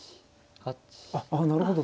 あっあなるほど。